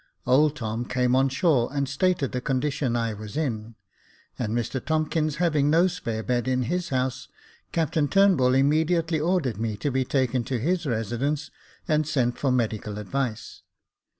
Old Tom came on shore and stated the condition I was in, and Mr Tomkins having no spare bed in his house. Captain Turnbull imme diately ordered me to be taken to his residence, and sent for medical advice.